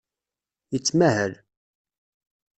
Yettmahal.